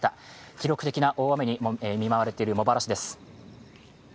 記録的な大雨に見舞われている茂原市です。